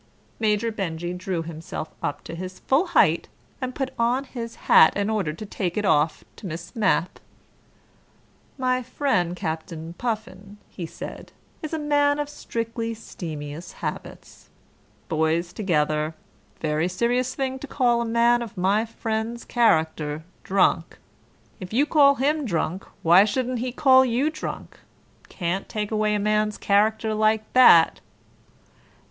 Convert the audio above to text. Major Benjy drew himself up to his full height, and put on his hat in order to take it off to Miss Mapp. "My fren' Cap'n Puffin," he said, "is a man of strictly 'stemious habits. Boys together. Very serious thing to call a man of my fren's character drunk. If you call him drunk, why shouldn't he call you drunk? Can't take away man's character like that."